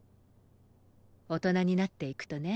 大人になっていくとね